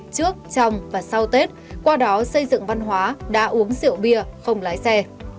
trước trong và sau tết qua đó xây dựng văn hóa đã uống rượu bia không lái xe